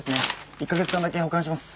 １カ月間だけ保管します。